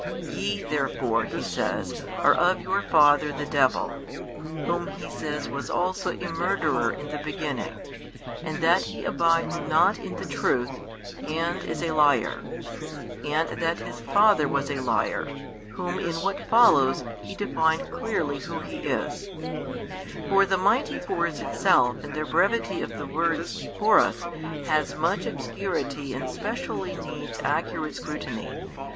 Ye therefore, He says, are of your father the devil, whom He says was also a murderer in the beginning and that he abides not in the truth and is a liar; and that his father was a liar, whom in what follows He defined clearly who he is : for the mighty force itself in their brevity of the words before us has much obscurity and specially needs accurate scrutiny.